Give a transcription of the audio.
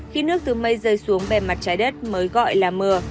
khi nước từ mây rơi xuống bề mặt trái đất mới gọi là mưa